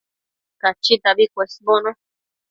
Cachitabi cuesbono